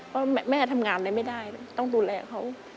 เพราะแม่ทำงานอะไรไม่ได้ต้องดูแลเขา